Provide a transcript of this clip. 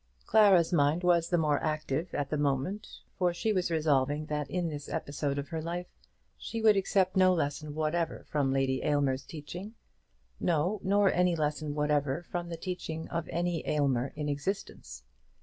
Clara's mind was the more active at the moment, for she was resolving that in this episode of her life she would accept no lesson whatever from Lady Aylmer's teaching; no, nor any lesson whatever from the teaching of any Aylmer in existence.